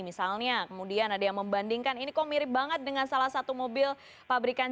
misalnya kemudian ada yang membandingkan ini kok mirip banget dengan salah satu mobil pabrikan